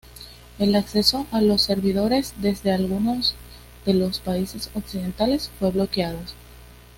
El acceso a los servidores desde algunos de los países occidentales fue bloqueado.